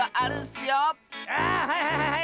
あはいはいはい！